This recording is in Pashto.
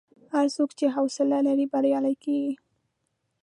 هر څوک چې حوصله لري، بریالی کېږي.